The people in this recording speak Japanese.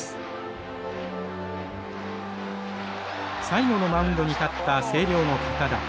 最後のマウンドに立った星稜の堅田。